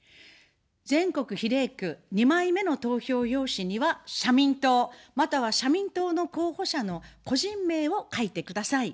全国比例区、２枚目の投票用紙には社民党、または社民党の候補者の個人名を書いてください。